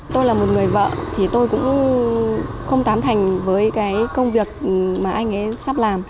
tôi là một người vợ thì tôi cũng không tán thành với cái công việc mà anh ấy sắp làm